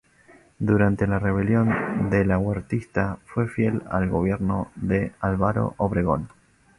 Durante la Rebelión delahuertista fue fiel al gobierno de Álvaro Obregón.